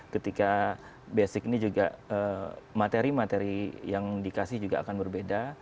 ketika basic ini juga materi materi yang dikasih juga akan berbeda